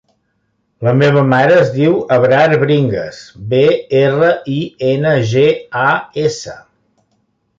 La meva mare es diu Abrar Bringas: be, erra, i, ena, ge, a, essa.